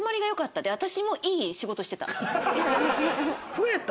増えた？